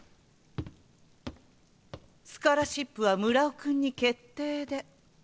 スカラシップは村尾君に決定で。